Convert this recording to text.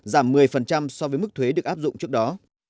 giảm một mươi so với mức thuế được áp dụng trước đó